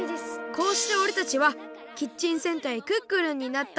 こうしておれたちはキッチン戦隊クックルンになったってわけ。